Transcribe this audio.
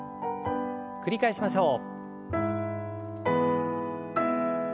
繰り返しましょう。